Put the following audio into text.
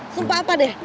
sumpah apa deh